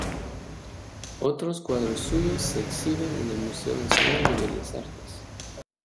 Otros cuadros suyos se exhiben en el Museo Nacional de Bellas Artes.